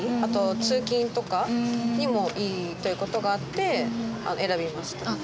あと通勤とかにもいいという事があって選びました。